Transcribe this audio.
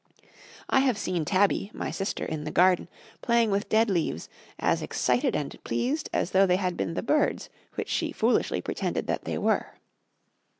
I have seen Tabby, my sister, in the garden, playing with dead leaves, as excited and pleased as though they had been the birds which she foolishly pretended that they were.